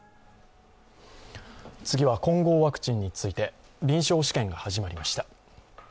次は混合ワクチンについて、臨床試験が始まりました。